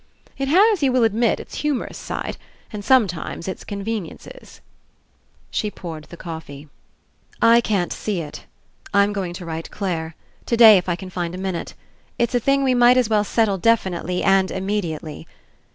It has, you will admit, it's humorous side, and, sometimes, its conveniences." She poured the coffee. "I can't see It. I'm going to write Clare. Today, If I can find a minute. It's a thing we 95 PASSING might as well settle definitely, and immediately.